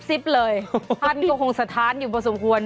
เลยท่านก็คงสถานอยู่พอสมควร